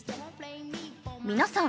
皆さん